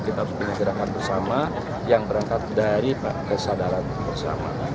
kita harus punya gerakan bersama yang berangkat dari kesadaran bersama